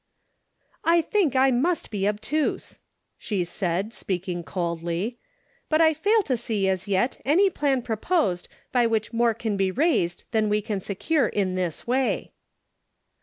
" I think I must be obtuse," she said, speak ing coldly :" but I fail to see as yet any plan 80 Interrogation Points. 81 proposed by which more can be raised than we can secure in this way."